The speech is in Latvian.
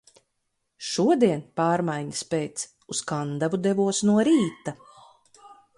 Šodien pārmaiņas pēc uz Kandavu devos no rīta.